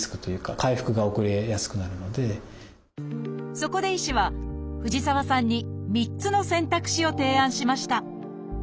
そこで医師は藤沢さんに３つの選択肢を提案しました。